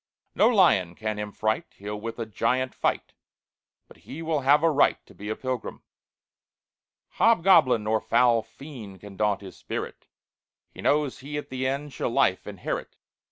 No lion can him fright; He'll with a giant fight, But he will have a right To be a pilgrim. "Hobgoblin nor foul fiend Can daunt his spirit; He knows he at the end Shall life inherit.